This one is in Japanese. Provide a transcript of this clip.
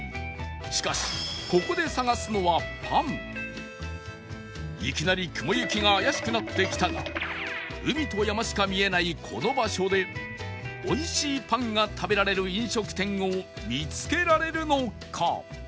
しかしいきなり雲行きが怪しくなってきたが海と山しか見えないこの場所で美味しいパンが食べられる飲食店を見つけられるのか？